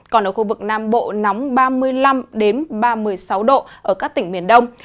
còn ở khu vực nam bộ nóng ba mươi năm ba mươi sáu độ ở các tỉnh miền đông